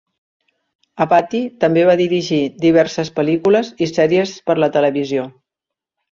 Avati també va dirigir diverses pel·lícules i sèries per la televisió.